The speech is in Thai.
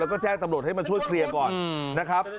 แล้วก็แจ้งตำรวจให้มาช่วยเคลียร์ก่อนนะครับ